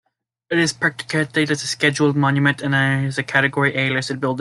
It is protected as a scheduled monument, and as a category A listed building.